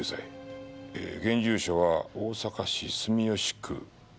現住所は大阪市住吉区。